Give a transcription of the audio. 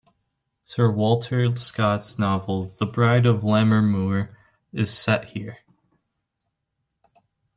Sir Walter Scott's novel The Bride of Lammermoor is set here.